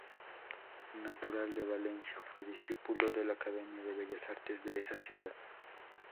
Natural de Valencia, fue discípulo de la Academia de Bellas Artes de esa ciudad.